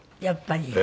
やっぱり。